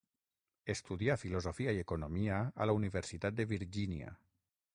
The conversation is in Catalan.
Estudià filosofia i economia a la Universitat de Virgínia.